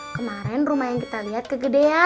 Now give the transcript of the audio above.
kemarin rumah yang kita lihat kegedean